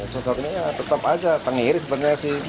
sosoknya ya tetap aja tenggiri sebenarnya sih